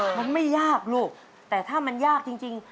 มันไม่ยากลูกแต่ถ้ามันยากจริง